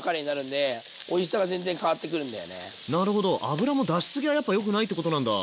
脂も出しすぎはやっぱよくないってことなんだ。